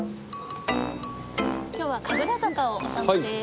今日は神楽坂をお散歩です。